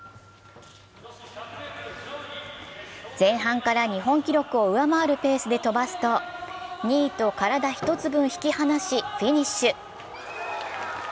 前半から日本記録を上回るペースで飛ばすと２位と体１つ分引き離し、フィニッシュ。